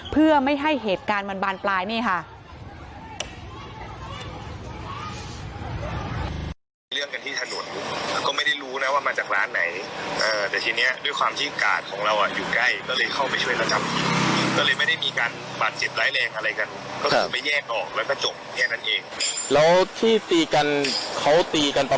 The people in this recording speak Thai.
เพื่อไม่ให้เหตุการณ์มันบานปลายนี่ค่ะ